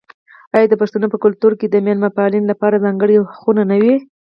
آیا د پښتنو په کلتور کې د میلمه پالنې لپاره ځانګړې خونه نه وي؟